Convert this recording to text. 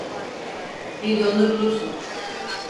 Bir yolunu bulursun.